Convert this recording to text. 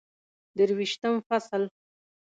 درویشتم فصل